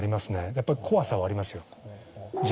やっぱり怖さはありますよ。